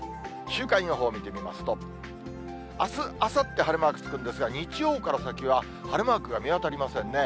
週間予報を見てみますと、あす、あさって晴れマークつくんですが、日曜から先は晴れマークが見当たりませんね。